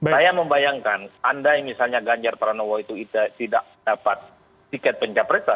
saya membayangkan andai misalnya ganjar pranowo itu tidak dapat tiket pencapresan